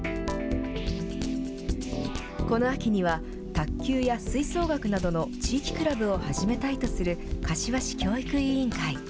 この秋には、卓球や吹奏楽などの地域クラブを始めたいとする柏市教育委員会。